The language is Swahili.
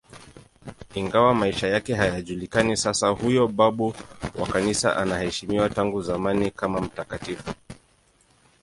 Ingawa maisha yake hayajulikani sana, huyo babu wa Kanisa anaheshimiwa tangu zamani kama mtakatifu.